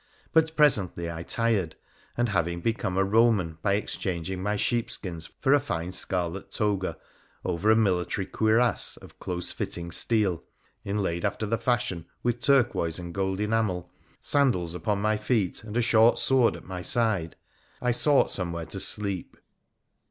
But presently I tired, and, having become a Roman by exchanging my sheepskins for a fine scarlet toga, over a mili tary cuirass of close fitting steel, inlaid, after the fashion, with turquoise and gold enamel, sandals upon my feet, and a short sword at my side, I sought somewhere to sleep.